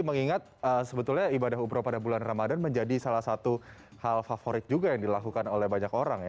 mengingat sebetulnya ibadah umrah pada bulan ramadan menjadi salah satu hal favorit juga yang dilakukan oleh banyak orang ya